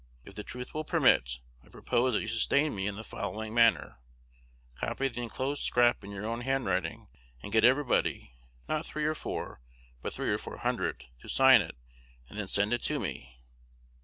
If the truth will permit, I propose that you sustain me in the following manner: copy the enclosed scrap in your own handwriting, and get everybody (not three or four, but three or four hundred) to sign it, and then send it to me.